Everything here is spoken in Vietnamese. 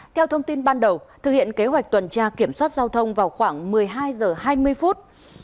theo thông tin ban đầu thực hiện kế hoạch tuần tra kiểm soát giao thông vào khoảng một mươi hai h hai mươi phút